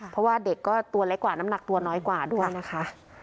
เพราะว่าเด็กก็ตัวเล็กกว่าน้ำหนักตัวน้อยกว่าด้วยนะคะ